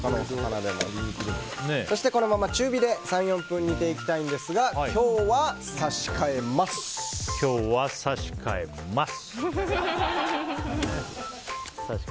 このまま中火で３４分煮ていくんですが今日は差し替えます！